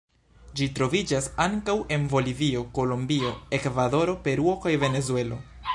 Ĝi troviĝas ankaŭ en Bolivio, Kolombio, Ekvadoro, Peruo kaj Venezuelo.